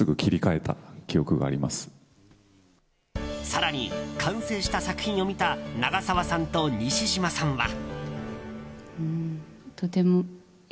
更に、完成した作品を見た長澤さんと西島さんは。